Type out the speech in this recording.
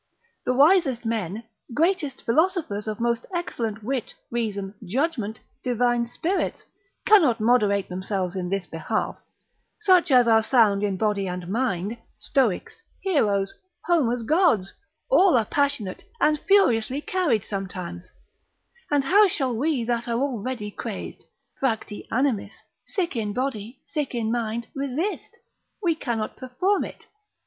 The wisest men, greatest philosophers of most excellent wit, reason, judgment, divine spirits, cannot moderate themselves in this behalf; such as are sound in body and mind, Stoics, heroes, Homer's gods, all are passionate, and furiously carried sometimes; and how shall we that are already crazed, fracti animis, sick in body, sick in mind, resist? we cannot perform it.